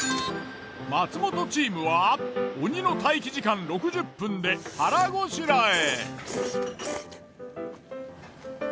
松本チームは鬼の待機時間６０分で腹ごしらえ。